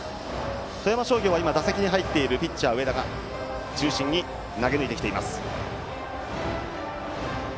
富山商業は打席に入っているピッチャー、上田が中心に投げ抜いてきています。